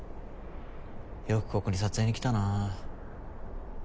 よくここに撮影に来たな。